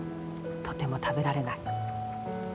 とても食べられない。